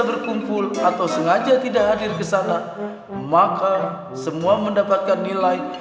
berkumpul atau sengaja tidak hadir kesana maka semua yang menempatkan nilai